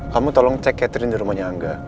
kamu tolong cek catering di rumahnya angga